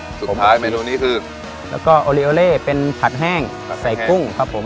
สุดท้ายเมนูนี้คือแล้วก็โอเลโอเล่เป็นผัดแห้งใส่กุ้งครับผม